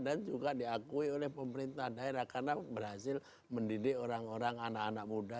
dan juga diakui oleh pemerintah daerah karena berhasil mendidik orang orang anak anak muda